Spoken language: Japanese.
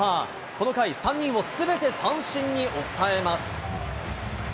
この回、３人をすべて三振に抑えます。